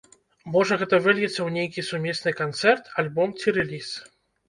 Можа, гэта выльецца ў нейкі сумесны канцэрт, альбом ці рэліз.